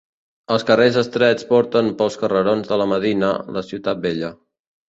Els carrers estrets porten pels carrerons de la medina, la ciutat vella.